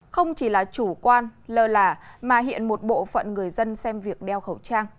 không chỉ là chủ quan lờ là mà hiện một bộ phận người dân xem việc đeo khẩu trang